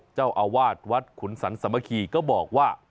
เจ้าอาวาสวัดขุนสันสามัคคีก็บอกว่า